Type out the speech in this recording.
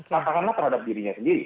katakanlah terhadap dirinya sendiri